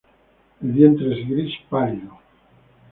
El vientre es gris pálido.